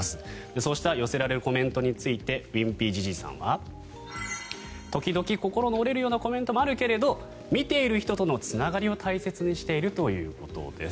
そうした寄せられるコメントについてｗｉｎｐｙ−ｊｉｊｉｉさんは時々心の折れるようなコメントもあるけれど見ている人とのつながりを大切にしているということです。